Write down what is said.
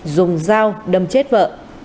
dùng dao đâm chết vợ